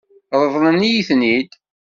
Ṛeḍlen-iyi-ten-id?